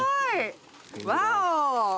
ワオ！